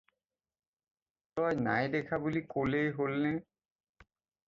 তই নাই দেখা বুলি ক'লেই হ'লনে?